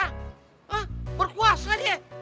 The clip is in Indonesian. hah berkuasa dia